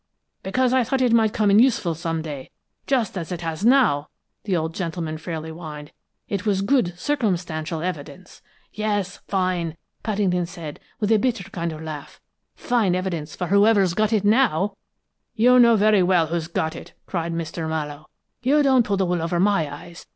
"'Because, I thought it might come in useful some day, just as it has now,' the old gentleman fairly whined. 'It was good circumstantial evidence.' "'Yes fine!' Paddington said, with a bitter kind of a laugh. 'Fine evidence, for whoever's got it now!' "'You know very well who's got it!' cried Mr. Mallowe. 'You don't pull the wool over my eyes!